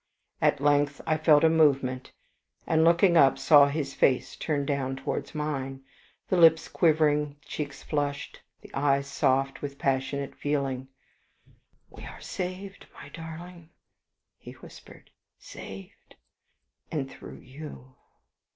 At length I felt a movement, and looking up saw his face turned down towards mine, the lips quivering, the cheeks flushed, the eyes soft with passionate feeling. "We are saved, my darling," he whispered; "saved, and through you."